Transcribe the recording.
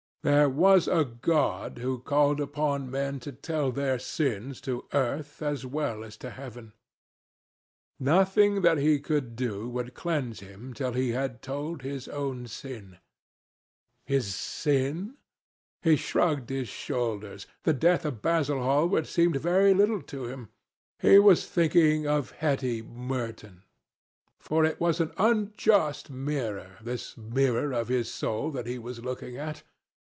There was a God who called upon men to tell their sins to earth as well as to heaven. Nothing that he could do would cleanse him till he had told his own sin. His sin? He shrugged his shoulders. The death of Basil Hallward seemed very little to him. He was thinking of Hetty Merton. For it was an unjust mirror, this mirror of his soul that he was looking at.